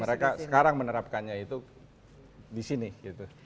mereka sekarang menerapkannya itu disini gitu